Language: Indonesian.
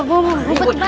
mana larinya tuh buca